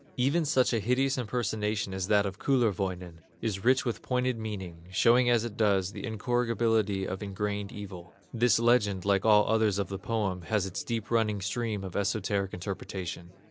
Even such a hideous impersonation as that of Kullerwoinen, is rich with pointed meaning, showing as it does, the incorrigibility of ingrained evil. This legend, like all others of the poem, has its deep running stream of esoteric interpretation.